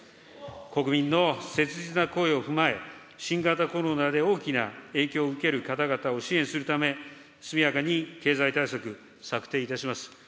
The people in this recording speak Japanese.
国民の切実な声を踏まえ、新型コロナで大きな影響を受ける方々を支援するため、速やかに経済対策、策定いたします。